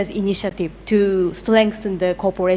untuk memperkuat kekuatan antara negara negara